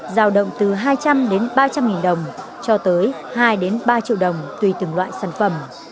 giao động từ hai trăm linh đến ba trăm linh nghìn đồng cho tới hai ba triệu đồng tùy từng loại sản phẩm